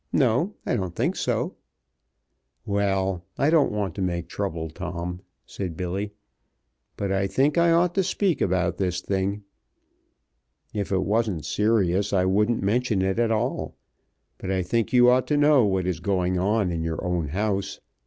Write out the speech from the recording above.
"No, I don't think so." "Well, I don't want to make trouble, Tom," said Billy, "but I think I ought to speak about this thing. If it wasn't serious I wouldn't mention it at all, but I think you ought to know what is going on in your own house.